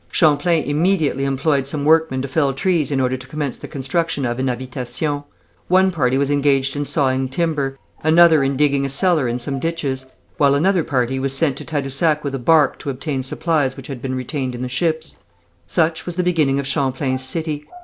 Champlain immediately employed some workmen to fell trees in order to commence the construction of an Habitation. One party was engaged in sawing timber, another in digging a cellar and some ditches, while another party was sent to Tadousac with a barque to obtain supplies which had been retained in the ships. Such was the beginning of Champlain's city.